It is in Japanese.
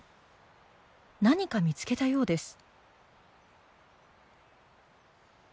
何か見つけたようです。